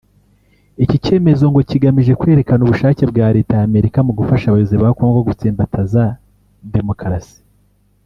Iki cyemezo ngo kigamije kwerekana ubushake bwa Leta ya Amerika mu gufasha abayobozi ba Congo gutsimbataza demokarasi